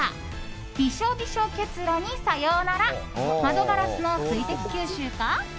びしょびしょ結露にさようなら窓ガラスの水滴吸収か